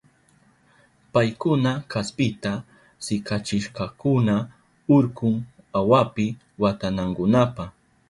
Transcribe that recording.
Paykuna kaspita sikachishkakuna urkun awapi watanankunapa.